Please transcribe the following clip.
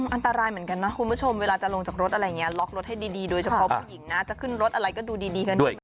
อันตรายเหมือนกันนะคุณผู้ชมเวลาจะลงจากรถอะไรอย่างนี้ล็อกรถให้ดีโดยเฉพาะผู้หญิงนะจะขึ้นรถอะไรก็ดูดีกันด้วยนะ